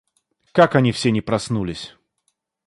Как они все не проснулись!